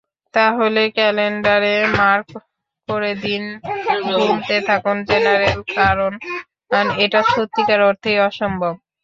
তাহলে ক্যালেন্ডারে মার্ক করে দিন গুনতে থাকুন জেনারেল, কারণ এটা সত্যিকার অর্থেই অসম্ভব।